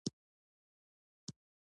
دغه مکتب د پان اسلامیزم د عقایدو مرکز شو.